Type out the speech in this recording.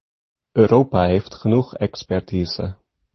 Europa heeft genoeg expertise.